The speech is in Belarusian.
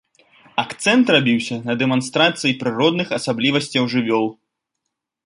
Акцэнт рабіўся на дэманстрацыі прыродных асаблівасцяў жывёл.